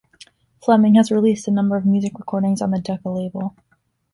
Fleming has released a number of music recordings on the Decca label.